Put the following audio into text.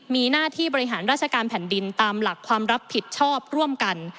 มีหน้าที่บริหารราชการแผ่นดินตามหลักความรับผิดชอบร่วมกัน